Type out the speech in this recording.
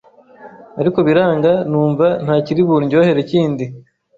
ariko biranga numva ntakiri bundyohere kindi.